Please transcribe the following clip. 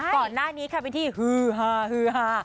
ก่อนหน้านี้เป็นที่ฮือฮา